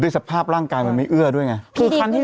ด้วยสภาพร่างกายไม่เอื้อด้วยไง